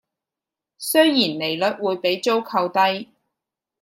雖然利率會比租購低